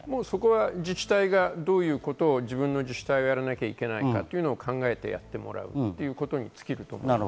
自治体がどういうことをやらなきゃいけないかを考えてやってもらうということに尽きると思います。